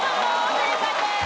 正解です。